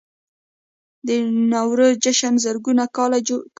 د نوروز جشن زرګونه کاله کیږي